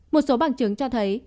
một số bằng chứng cho thấy